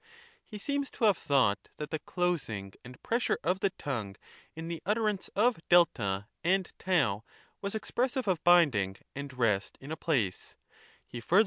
He seems to have thought that the closing and pressure of the tongue in the utterance of 6 and T was expressive of binding and rest in a place : he further Hcrmogeues and Cratyhis.